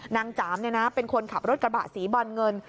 จ๋ามเป็นคนขับรถกระบะสีบอลเงิน